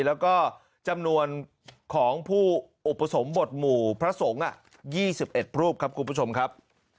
แล้วก็จำนวนของผู้อุปสมบทหมู่พระสงฆ์๒๑รูปครับคุณผู้ชมครับ